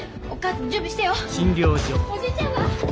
おじいちゃんは！？